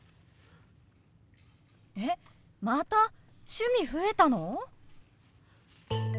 えっまた趣味増えたの！？